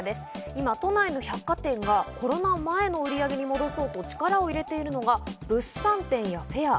今、都内の百貨店がコロナ前の売上に戻そうと力を入れているのが、物産展やフェア。